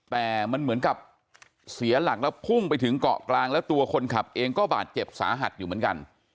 แต่มันเหมือนกับเสียหลักแล้วพุ่งไปถึงเกาะกลางแล้วตัวคนขับเองก็บาดเจ็บสาหัสอยู่เหมือนกัน